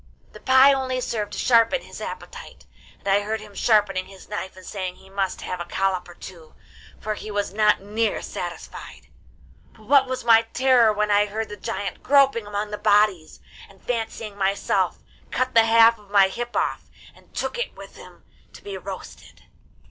The pie only served to sharpen his appetite, and I heard him sharpening his knife and saying he must have a collop or two, for he was not near satisfied. But what was my terror when I heard the giant groping among the bodies, and, fancying myself, cut the half of my hip off, and took it with him to be roasted.